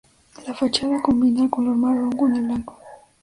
La fachada combina el color marrón con el blanco.